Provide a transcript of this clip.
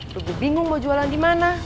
lagi bingung mau jualan dimana